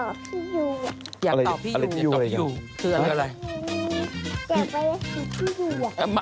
นะแ็กตอบพี่หอยอย่างชื่ออะไรพี่หอยอย่างคืออะไร